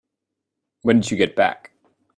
When did you get back?